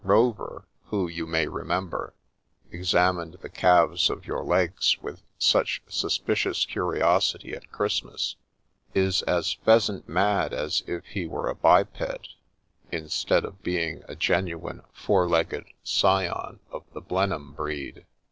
Rover, who, you may remember, examined the calves of your legs with such suspicious curiosity at Christmas, is as pheasant mad as if he were a biped, instead of being a genuine four legged scion of the Blenheim breed.